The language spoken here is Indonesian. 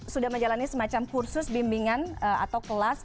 sudah menjalani semacam kursus bimbingan atau kelas